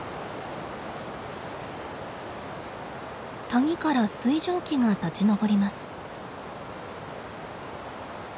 谷から水蒸気が立ち上ります。